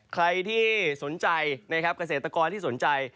ใครที่สนใจนะครับเกษตรกรที่สนใจ